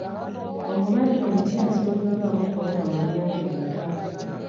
Omulwadde omupya azuuliddwamu kolona wa myaka emeka?